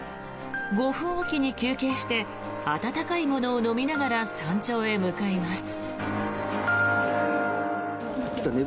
５分おきに休憩して温かいものを飲みながら山頂へ向かいます。